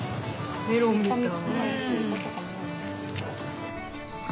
メロンみたい。